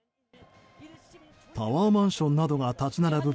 タワーマンションなどが立ち並ぶ